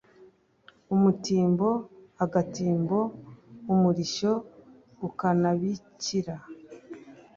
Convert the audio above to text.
Umutimbo ,agatimbo Umurishyo ukanabikira